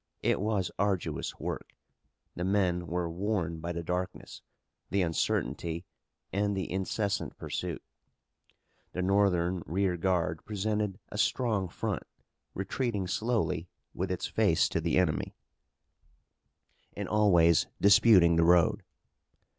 It was arduous work. The men were worn by the darkness, the uncertainty and the incessant pursuit. The Northern rear guard presented a strong front, retreating slowly with its face to the enemy, and always disputing the road.